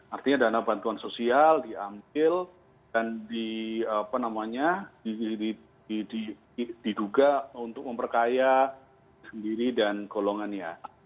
artinya dana bantuan sosial diambil dan diduga untuk memperkaya sendiri dan golongannya